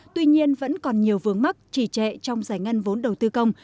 tuy nhiên vẫn còn nhiều vướng mắc trì trệ trong giải ngân vốn đầu tư công